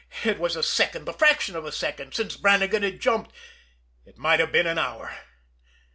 It was a second, the fraction of a second since Brannigan had jumped it might have been an hour.